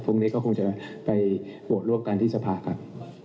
พรุ่งนี้ก็คงจะไปโหวตร่วมกันที่สภากัน